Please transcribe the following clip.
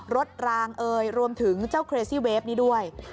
รางเอ่ยรวมถึงเจ้าเครซี่เวฟนี้ด้วย